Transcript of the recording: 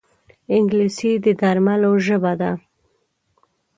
انګلیسي د درملو ژبه ده